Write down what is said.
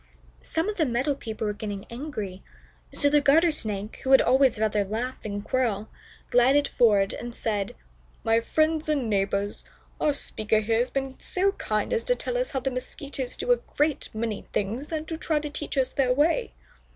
Some of the meadow people were getting angry, so the Garter Snake, who would always rather laugh than quarrel, glided forward and said: "My friends and neighbors; our speaker here has been so kind as to tell us how the Mosquitoes do a great many things, and to try to teach us their way.